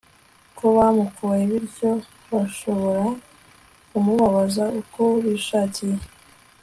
ko bamukoye bityo bashobora kumubabaza uko bishakiye